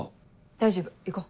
大丈夫行こう。